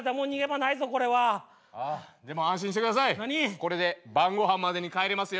これで晩ごはんまでに帰れますよ。